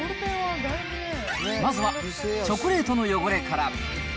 まずはチョコレートの汚れから。